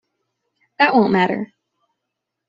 That won't matter.